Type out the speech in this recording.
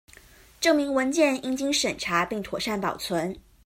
證明文件應經審查並妥善保存